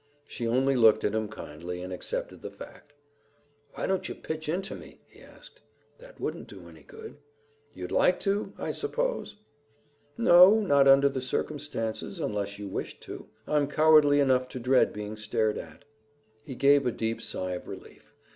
She only looked at him kindly and accepted the fact. "Why don't you pitch into me?" he asked. "That wouldn't do any good." "You'd like to go, I suppose?" "No, not under the circumstances, unless you wished to. I'm cowardly enough to dread being stared at." He gave a deep sign of relief.